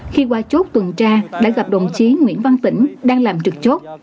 khi qua chốt tuần tra đã gặp đồng chí nguyễn văn tỉnh đang làm trực chốt